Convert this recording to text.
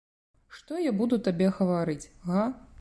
Што буду я табе гаварыць, га?